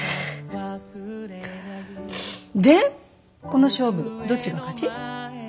この勝負どっちが勝ち？